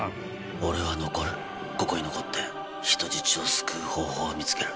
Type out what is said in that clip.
俺は残るここに残って人質を救う方法を見つける。